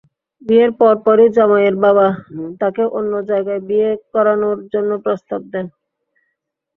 বিয়ের পরপরই জামাইয়ের বাবা তাঁকে অন্য জায়গায় বিয়ে করানোর জন্য প্রস্তাব দেন।